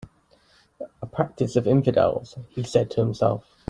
"A practice of infidels," he said to himself.